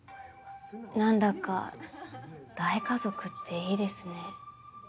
何だか大家族っていいですね。